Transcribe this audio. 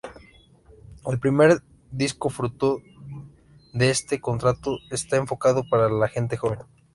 El primer disco fruto de este contrato está enfocado para la gente joven.